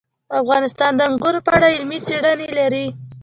افغانستان د انګور په اړه علمي څېړنې لري.